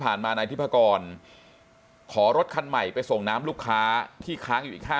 ผ่านมาในอิทธิพกรขอรถคันใหม่ไปส่งน้ำลูกค้าที่ค้างอยู่